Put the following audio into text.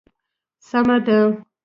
سمه ده.